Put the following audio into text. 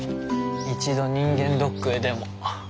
一度人間ドックへでも。